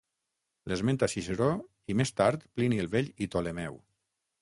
L'esmenta Ciceró i més tard Plini el Vell i Ptolemeu.